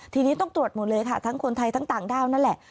ทีนี้ต้องตรวจหมดเลยค่ะทั้งคนไทยทั้งต่างด้าวนั่นแหละ